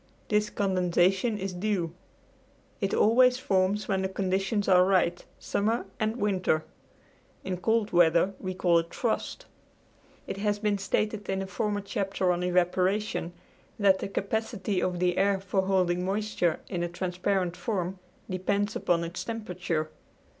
This condensation is dew. It always forms when the conditions are right, summer and winter. In cold weather we call it frost. It has been stated in a former chapter on evaporation that the capacity of the air for holding moisture in a transparent form depends upon its temperature.